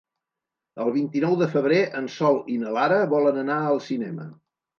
El vint-i-nou de febrer en Sol i na Lara volen anar al cinema.